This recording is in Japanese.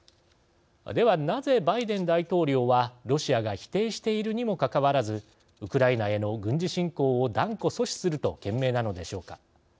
では、なぜバイデン大統領はロシアが否定しているにもかかわらず、ウクライナへの軍事侵攻を断固阻止すると懸命なのでしょうか。